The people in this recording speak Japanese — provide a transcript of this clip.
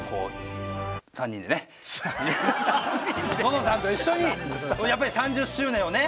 のさんと一緒にやっぱり３０周年をね